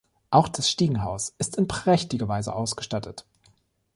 Auch das Stiegenhaus ist in prächtiger Weise ausgestattet.